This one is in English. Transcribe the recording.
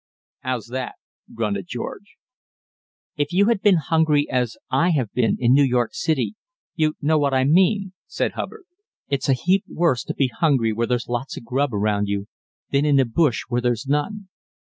"How's that?" grunted George. "If you had been as hungry as I have been in New York City, you'd know what I mean," said Hubbard. "It's a heap worse to be hungry where there's lots of grub around you than in the bush where there's none.